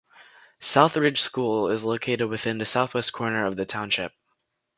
South Ridge School is located within the southwest corner of the township.